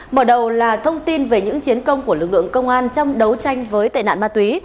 mở đầu là thông tin về những chiến công của lực lượng công an trong đấu tranh với tệ nạn ma túy